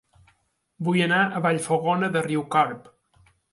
Vull anar a Vallfogona de Riucorb